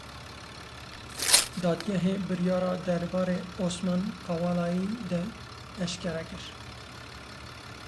Dadgehê biryara derbarê Osman Kavalayî de eşkere kir.